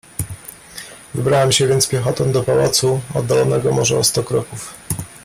"Wybrałem się więc piechotą do pałacu, oddalonego może o sto kroków."